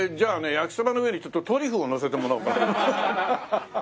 焼きそばの上にちょっとトリュフをのせてもらおうかな。